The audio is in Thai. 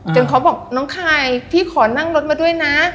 เขาบอกน้องคายพี่ขอนั่งรถมาด้วยนะ